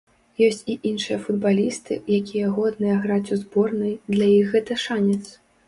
Ёсць і іншыя футбалісты, якія годныя граць у зборнай, для іх гэта шанец.